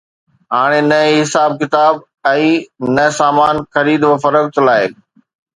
هاڻي نه ئي حساب ڪتاب ۽ نه سامان خريد و فروخت لاءِ